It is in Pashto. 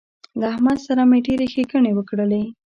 له احمد سره مې ډېرې ښېګڼې وکړلې